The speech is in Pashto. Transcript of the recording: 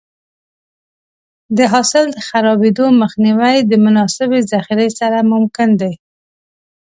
د حاصل د خرابېدو مخنیوی د مناسبې ذخیرې سره ممکن دی.